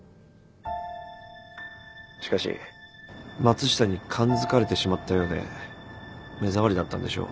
しかし松下に感づかれてしまったようで目障りだったんでしょう。